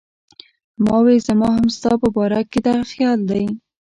ما وې زما هم ستا پۀ باره کښې دغه خيال دی